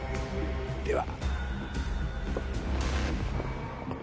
では。